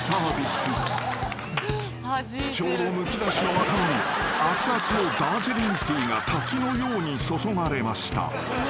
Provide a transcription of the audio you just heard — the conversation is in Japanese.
［ちょうどむき出しの頭にあつあつのダージリンティーが滝のように注がれました］